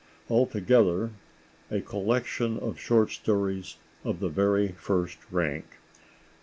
Altogether, a collection of short stories of the very first rank.